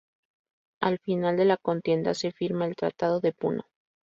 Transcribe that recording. Al final de la contienda se firma el Tratado de Puno.